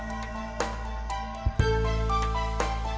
iya mau pakai sosnya